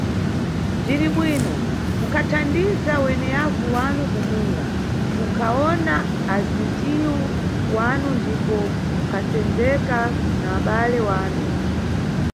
Bziribwino, munʼkathandiza weneyavu wanu kumunda, munkawona azitiwu wanu ndipo munʼkasendzeka na abale wanu.